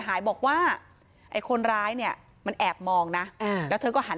หายบอกว่าไอ้คนร้ายเนี่ยมันแอบมองนะแล้วเธอก็หัน